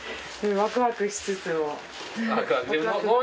ワクワクしつつも。